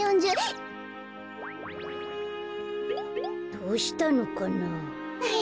どうしたのかな。